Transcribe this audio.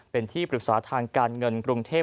เป็นที่ปรึกษาทางการเงินกรุงเทพ